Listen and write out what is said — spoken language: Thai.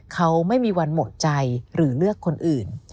เขาไม่มีวันหมดใจหรือเลือกคนอื่น